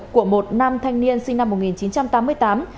của một nam thanh niên sinh năm một nghìn chín trăm tám mươi tám